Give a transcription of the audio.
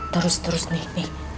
terus terus nih mik